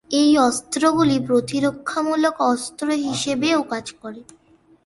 এই অস্ত্রগুলি প্রতিরক্ষামূলক অস্ত্র হিসেবেও কাজ করে।